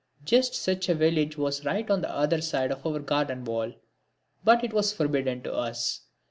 Just such a village was right on the other side of our garden wall, but it was forbidden to us.